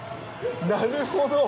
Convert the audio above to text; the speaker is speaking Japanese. なるほど。